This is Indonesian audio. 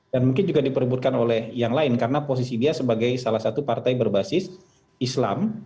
dan mungkin juga dipeributkan oleh yang lain karena posisi dia sebagai salah satu partai berbasis islam